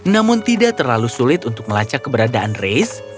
namun tidak terlalu sulit untuk melacak keberadaan race